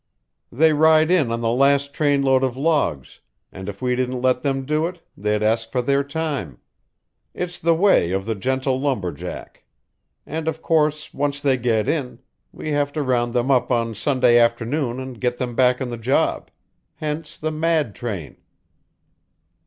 "They ride in on the last trainload of logs, and if we didn't let them do it, they'd ask for their time. It's the way of the gentle lumberjack. And of course, once they get in, we have to round them up on Sunday afternoon and get them back on the job. Hence the mad train."